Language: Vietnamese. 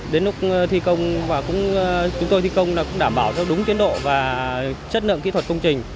đến lúc thi công và chúng tôi thi công cũng đảm bảo theo đúng tiến độ và chất lượng kỹ thuật công trình